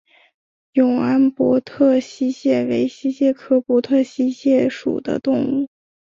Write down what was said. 永安博特溪蟹为溪蟹科博特溪蟹属的动物。